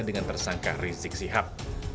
dengan tersangka risik sihat